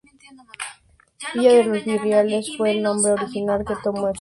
Villa de los Barriales fue el nombre original que tomó en su fundación.